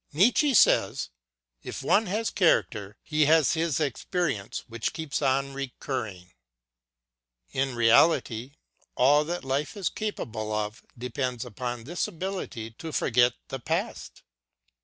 Nietzsche says :" If one has character he has his experience which keeps on recurring." In reality all that life is capable of depends upon this ability to forget the past.